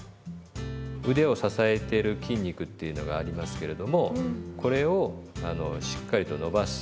腕を支えてる筋肉っていうのがありますけれどもこれをしっかりと伸ばす。